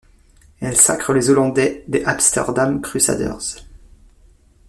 Elle sacre les Hollandais des Amsterdam Crusaders.